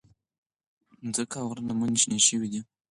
مځکه او غره لمنې شنې شوې دي.